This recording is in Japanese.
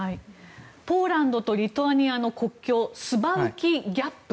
ポーランドとリトアニアの国境スバウキ・ギャップ